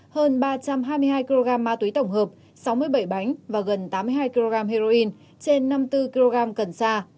hơn ba trăm hai mươi hai kg ma túy tổng hợp sáu mươi bảy bánh và gần tám mươi hai kg heroin trên năm mươi bốn kg cần sa